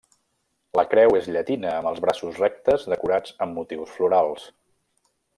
La creu és llatina amb els braços rectes decorats amb motius florals.